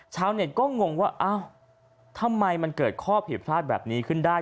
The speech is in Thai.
ชาวเน็ตก็งงว่าอ้าวทำไมมันเกิดข้อผิดพลาดแบบนี้ขึ้นได้